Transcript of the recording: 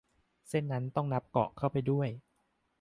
เส้นนั้นต้องนับเกาะเข้าไปด้วย